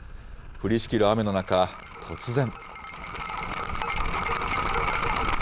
降りしきる雨の中、突然。